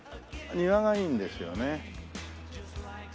庭がいいんですよね。